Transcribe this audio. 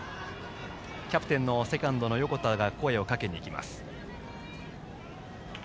キャプテンのセカンドの横田が声をかけに行きました。